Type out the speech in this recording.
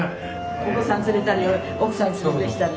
お子さん連れたり奥さん連れてきたり。